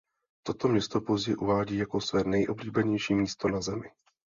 Toto město později uvádí jako své nejoblíbenější místo na Zemi.